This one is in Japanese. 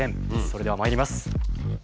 それではまいります。